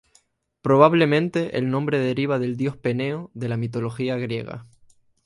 Probablemente el nombre deriva del dios Peneo de la mitología griega.